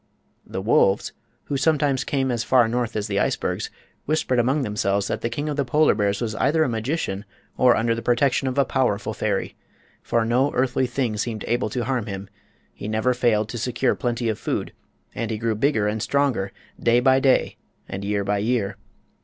The wolves, who sometimes came as far north as the icebergs, whispered among themselves that the King of the Polar Bears was either a magician or under the protection of a powerful fairy. For no earthly thing seemed able to harm him; he never failed to secure plenty of food, and he grew bigger and stronger day by day and year by year.